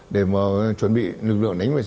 để chuẩn bị lực lượng